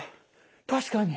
確かに。